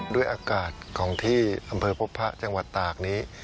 ด้วยอากาศของที่อำเภอพบพระจังหวัดตากนี้